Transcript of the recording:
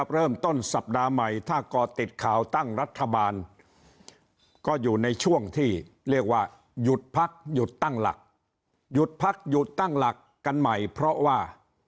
เรียกว่าหยุดพักหยุดตั้งหลักหยุดพักหยุดตั้งหลักกันใหม่เพราะว่า